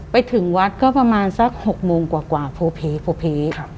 ไปถึงวัดก็ประมาณสัก๖โมงกว่าโพเพโพเพ